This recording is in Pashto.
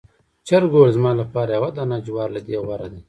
چرګ وویل چې زما لپاره یو دانې جوار له دې غوره دی.